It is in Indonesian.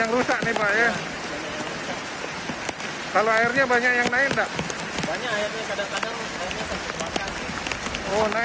rusak nih pak ya kalau airnya banyak yang naik ndak banyak airnya kadang kadang